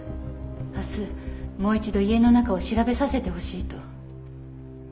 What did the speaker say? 明日もう一度家の中を調べさせてほしいと。